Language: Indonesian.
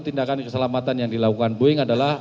tindakan keselamatan yang dilakukan boeing adalah